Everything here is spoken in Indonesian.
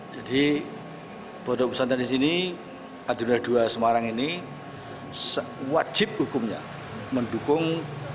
jadi bodoh pesantren di sini aduna dua semarang ini sewajib hukumnya mendukung